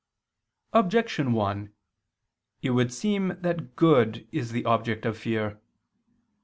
Objection 1: It would seem that good is the object of fear.